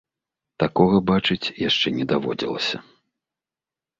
Такога бачыць яшчэ не даводзілася.